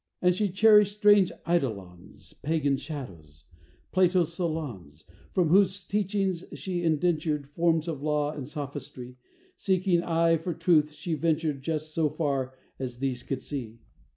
And she cherished strange eidolons, Pagan shadows Plato's, Solon's From whose teachings she indentured Forms of law and sophistry; Seeking aye for truth she ventured Just so far as these could see.